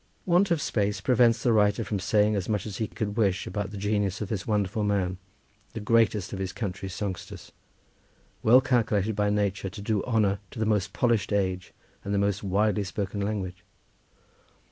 Want of space prevents the writer from saying as much as he could wish about the genius of this wonderful man, the greatest of his country's songsters, well calculated by nature to do honour to the most polished age and the most widely spoken language.